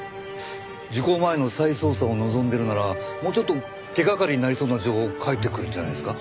時効前の再捜査を望んでるならもうちょっと手掛かりになりそうな情報を書いてくるんじゃないですか？